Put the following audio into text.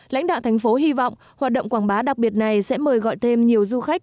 lãnh đạo thành phố hy vọng hoạt động quảng bá đặc biệt này sẽ mời gọi thêm nhiều du khách